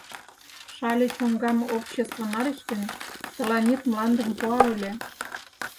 Шале чоҥгам общество налеш гын, тыланет мландым пуа ыле.